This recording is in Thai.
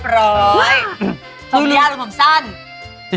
อรูแล้วหรือผมสั้น